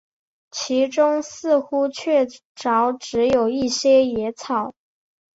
其中似乎确凿只有一些野草